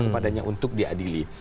kepadanya untuk diadili